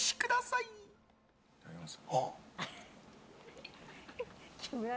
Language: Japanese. いただきます。